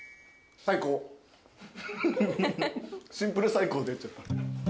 シンプル最高出ちゃった。